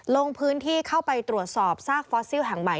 ลงพื้นที่เข้าไปตรวจสอบซากฟอสซิลแห่งใหม่